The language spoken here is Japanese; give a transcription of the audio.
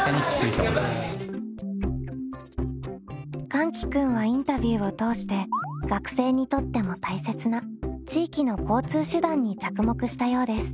かんき君はインタビューを通して学生にとっても大切な地域の交通手段に着目したようです。